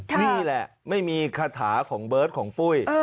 นี่แหละไม่มีคาถาของเบิร์ตของปุ้ย